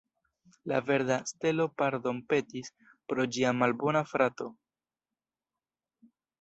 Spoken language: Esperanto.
La verda stelo pardonpetis pro ĝia malbona frato.